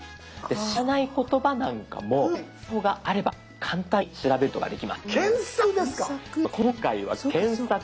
知らない言葉なんかもスマホがあれば簡単に調べることができます。